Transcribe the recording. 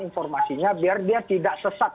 informasinya biar dia tidak sesat